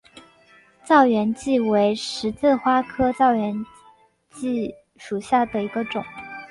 燥原荠为十字花科燥原荠属下的一个种。